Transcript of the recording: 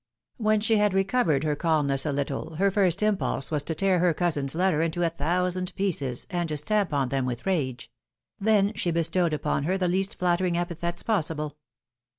When she had recovered her calmness a little, her first impulse was to tear her cousin's letter into a thousand pieces and to stamp on them with rage ; then she bestowed upon her the least flattering epithets possible.